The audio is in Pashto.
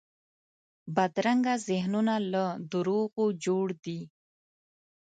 بدرنګه ذهنونه له دروغو جوړ دي